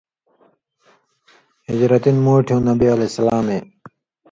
ہجرتی نہ مُوٹھیُوں نبی علیہ السلامے